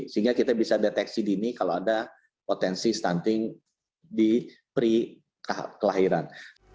sehingga kita bisa deteksi dini kalau ada potensi stunting di pri kelahiran